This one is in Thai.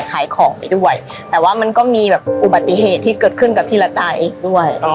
ขายของไปด้วยแต่ว่ามันก็มีแบบอุบัติเหตุที่เกิดขึ้นกับพี่ละตายอีกด้วย